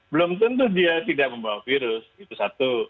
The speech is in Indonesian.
belum tentu dia tidak membawa virus itu satu